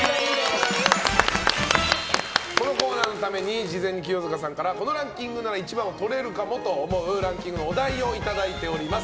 このコーナーのために事前に清塚さんからこのランキングなら１番をとれるかもと思うランキングのお題をいただいております。